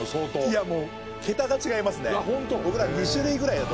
いやもう桁が違いますね。